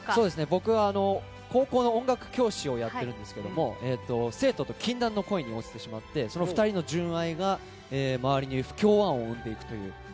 僕は高校の音楽教師をやっているんですが生徒と禁断の恋に落ちてしまってその２人の純愛が周りに不協和音を生んでいくという。